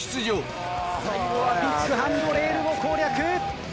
最後はビッグハンドレールを攻略。